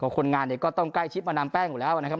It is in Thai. คนงานเนี่ยก็ต้องใกล้ชิดมาดามแป้งอยู่แล้วนะครับ